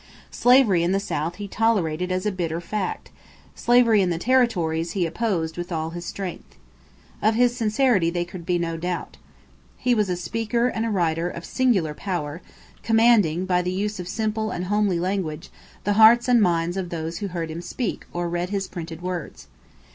Slavery in the South he tolerated as a bitter fact; slavery in the territories he opposed with all his strength. Of his sincerity there could be no doubt. He was a speaker and writer of singular power, commanding, by the use of simple and homely language, the hearts and minds of those who heard him speak or read his printed words.